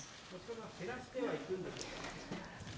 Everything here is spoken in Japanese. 減らしてはいくんですか？